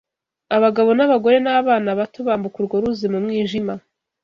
Abagabo abagore n’abana bato bambuka urwo ruzi mu mwijima